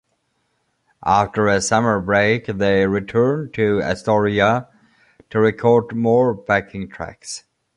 After a summer break, they returned to "Astoria" to record more backing tracks.